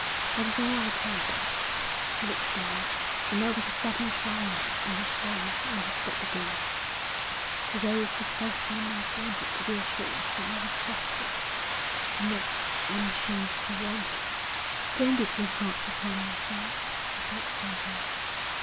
'That is all I care about.' He looked down, and there was a certain shyness in his voice when he spoke again. 'To day is the first time I've wanted to be assured that I was trusted; and yet I'm ashamed to want it.' 'Don't be too hard upon yourself,' she said gently.